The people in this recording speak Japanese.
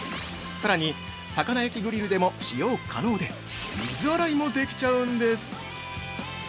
さらに魚焼きグリルでも使用可能で水洗いもできちゃうんです！